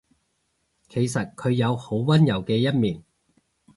其實佢有好溫柔嘅一面